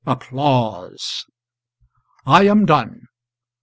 I am done.